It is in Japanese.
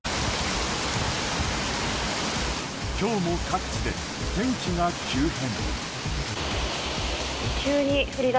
今日も各地で天気が急変。